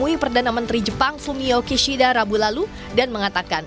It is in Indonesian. mui perdana menteri jepang fumio kishida rabu lalu dan mengatakan